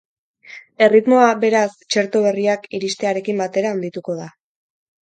Erritmoa, beraz, txerto berriak iristearekin batera handituko da.